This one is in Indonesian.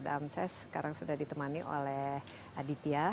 dan saya sekarang sudah ditemani oleh aditya